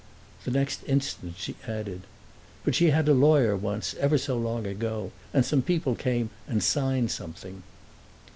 The next instant she added, "But she had a lawyer once, ever so long ago. And some people came and signed something."